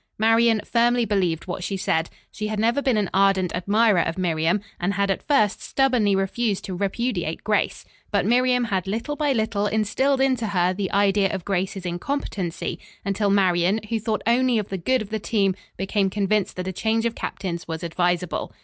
Marian firmly believed what she said. She had never been an ardent admirer of Miriam, and had at first stubbornly refused to repudiate Grace. But Miriam had little by little instilled into her the idea of Grace's incompetency, until Marian, who thought only of the good of the team, became convinced that a change of captains was advisable.